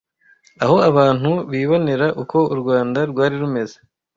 aho abantu bibonera uko u Rwanda rwari rumeze